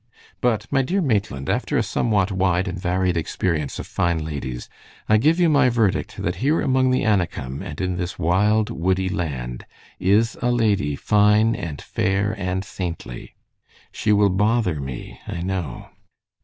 But, my dear Maitland, after a somewhat wide and varied experience of fine ladies, I give you my verdict that here among the Anakim, and in this wild, woody land, is a lady fine and fair and saintly. She will bother me, I know.